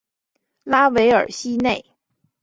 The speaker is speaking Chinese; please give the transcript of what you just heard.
拉韦尔西内。